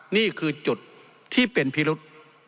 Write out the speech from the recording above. นี่คือจุดที่เป็นพิรุษ